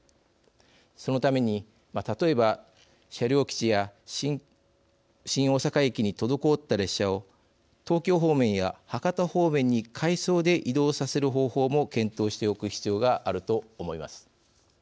そのために、例えば車両基地や新大阪駅に滞った列車を東京方面や博多方面に回送で移動させる方法も検討しておく必要があると思います。